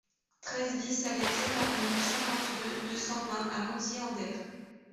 treize BIS allée Pierre Arnoult, cinquante-deux, deux cent vingt à Montier-en-Der